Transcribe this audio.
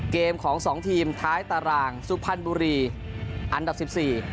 เกมของ๒ทีมท้ายตารางซุภัณฑ์บุรีอันดับ๑๔